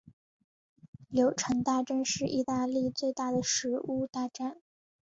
柳橙大战是义大利最大的食物大战。